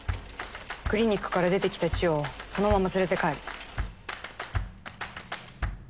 クリニックから出てきたチヨをそのまま連れて帰る。